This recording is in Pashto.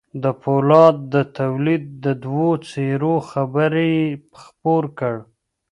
د پولادو د توليد د دوو څېرو خبر يې خپور کړ.